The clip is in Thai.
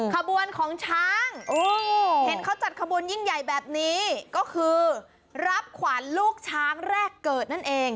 ขบวนของช้างเห็นเขาจัดขบวนยิ่งใหญ่แบบนี้ก็คือรับขวัญลูกช้างแรกเกิดนั่นเอง